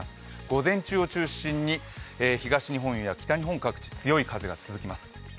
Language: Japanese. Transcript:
午前中を中心に東日本、北日本を中心に強い風が続きます。